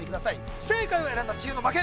不正解を選んだチームの負け